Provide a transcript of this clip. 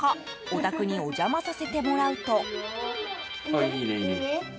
お宅にお邪魔させてもらうと。